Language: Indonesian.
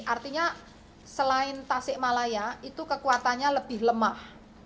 artinya selain tasik malaya itu kekuatannya lebih lemah